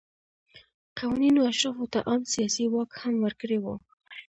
قوانینو اشرافو ته عام سیاسي واک هم ورکړی و.